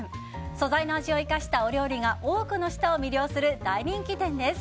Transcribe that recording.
素材の味を生かしたお料理が多くの人を魅了する大人気店です。